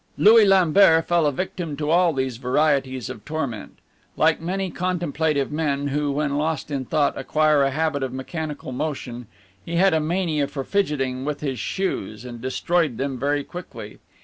Louis Lambert fell a victim to all these varieties of torment. Like many contemplative men, who, when lost in thought, acquire a habit of mechanical motion, he had a mania for fidgeting with his shoes, and destroyed them very quickly.